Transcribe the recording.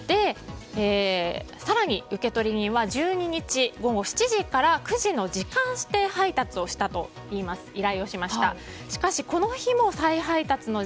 更に、受取人は１２日午後７時から９時の時間指定配達の依頼をしたといいます。